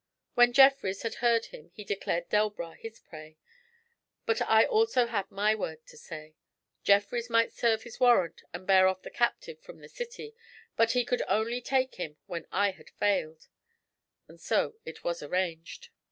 When Jeffrys had heard him he declared Delbras his prey. But I also had my word to say. Jeffrys might serve his warrant and bear off the captive from the city, but he could only take him when I had failed; and so it was arranged.